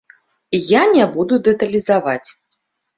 Я не буду дэталізаваць.